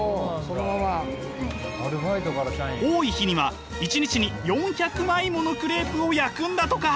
多い日には１日に４００枚ものクレープを焼くんだとか。